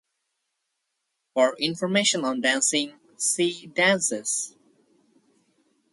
For information on dancing, see "Dances".